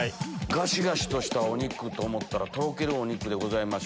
ガシガシとしたお肉と思ったらとろけるお肉でございました。